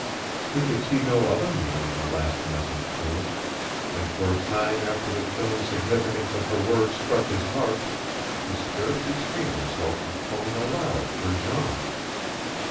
He could see no other meaning in her last message to him, and for a time after the chilling significance of her words struck his heart he scarce restrained himself from calling aloud for Jean.